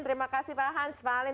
terima kasih pak hans pak halim